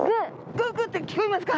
グゥグゥって聞こえますか？